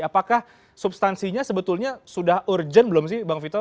apakah substansinya sebetulnya sudah urgent belum sih bang vito